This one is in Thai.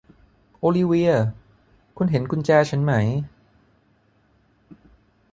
โอลิเวียคุณเห็นกุญแจฉันไหม